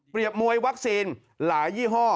มวยวัคซีนหลายยี่ห้อ